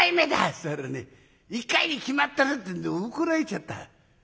つったらね『１回に決まってる』ってんで怒られちゃった。